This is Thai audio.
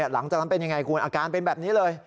หลังจากนั้นเป็นยังไงคุณอาการเป็นแบบนี้เลย